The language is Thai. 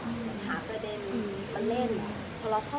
น่าจะเป็นการก่อบวนแล้วก็สร้างความแบบแยกในครอบครัวมากกว่า